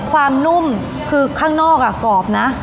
ความนุ่มคือข้างนอกอะกรอบนะ